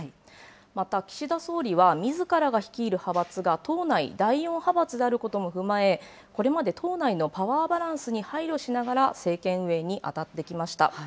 また岸田総理は、みずからが率いる派閥が、党内第４派閥であることも踏まえ、これまで党内のパワーバランスに配慮しながら、政権運営に当たってきました。